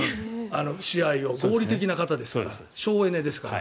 合理的な方ですから省エネですから。